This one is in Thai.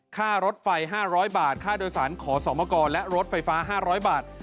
ค่ารถไฟ๕๐๐บาทค่าโดยสารขอสมกรและรถไฟฟ้า๕๐๐บาท